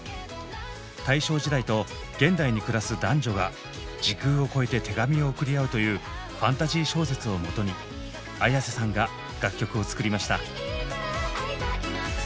大正時代と現代に暮らす男女が時空を超えて手紙を送り合うというファンタジー小説をもとにＡｙａｓｅさんが楽曲を作りました。